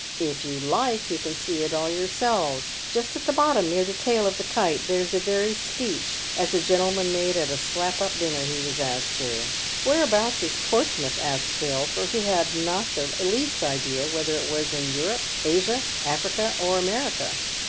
If you like you can see it all yourselves — just at the bottom near the tail of the kite ; there's the very speech as the gentleman made at a slap up dinner he was asked to." " Where abouts is Portsmouth ?" asked Phil, for he had not the least idea whether it was in Europe, Asia, Africa, or America.